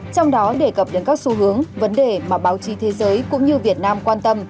trong đó đề cập đến các xu hướng vấn đề mà báo chí thế giới cũng như việt nam quan tâm